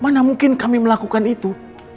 mana mungkin kami melakukan itu